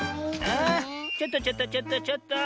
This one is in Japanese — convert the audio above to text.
あちょっとちょっとちょっとちょっと。